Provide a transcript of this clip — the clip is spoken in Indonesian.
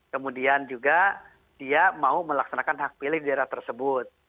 kemudian juga dia mau melaksanakan hak pilih di daerah tersebut